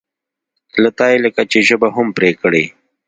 له تا یې لکه چې ژبه هم پرې کړې.